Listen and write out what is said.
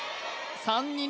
３人